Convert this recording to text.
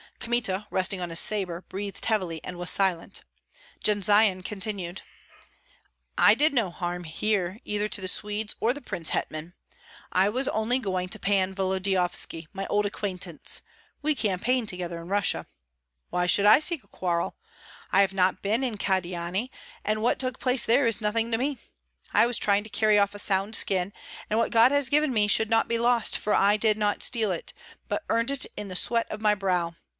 Kmita, resting on his sabre, breathed heavily and was silent; Jendzian continued, "I did no harm here either to the Swedes or the prince hetman. I was only going to Pan Volodyovski, my old acquaintance; we campaigned together in Russia. Why should I seek a quarrel? I have not been in Kyedani, and what took place there is nothing to me. I am trying to carry off a sound skin; and what God has given me should not be lost, for I did not steal it, but earned it in the sweat of my brow.